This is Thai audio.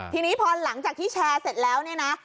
ทีนี้พอหลังจากที่แชร์เสร็จแล้วเนี่ยนะ